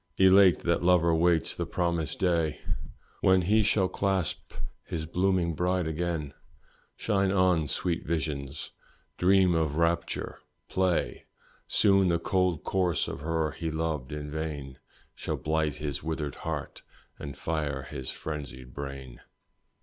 Elate that lover waits the promised day When he shall clasp his blooming bride again Shine on, sweet visions! dreams of rapture, play! Soon the cold corse of her he loved in vain Shall blight his withered heart and fire his frenzied brain.